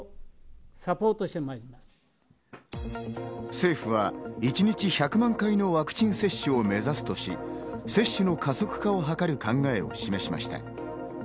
政府は一日１００万回の接種を目指すとし、接種の加速化を図る考えを示しました。